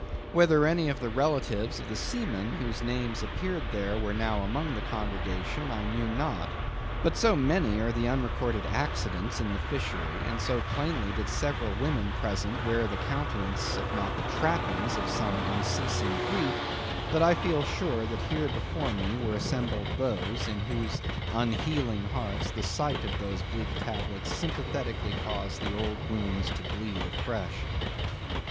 Whether any of the relatives of the seamen whose names appeared there were now among the congregation, I knew not; but so many are the unrecorded accidents in the fishery, and so plainly did several women present wear the countenance if not the trappings of some unceasing grief, that I feel sure that here before me were assembled those, in whose unhealing hearts the sight of those bleak tablets sympathetically caused the old wounds to bleed afresh.